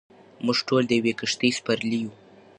موږ ټول د یوې کښتۍ سپرلۍ یو.